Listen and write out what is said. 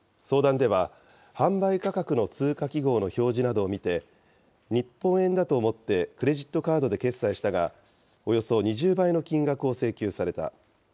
相談では、販売価格の通貨記号の表示などを見て、日本円だと思ってクレジットカードで決済したが、およそ２０倍の金額を請求された。